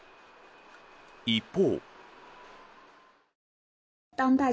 一方。